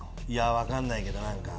分かんないけど何か。